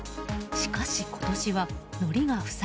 しかし、今年はのりが不作。